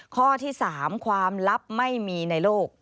ข้อที่๓ความลับไม่มีในโลก